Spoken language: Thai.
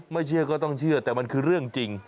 ไม่เชื่อก็ต้องเชื่อแต่มันคือเรื่องจริง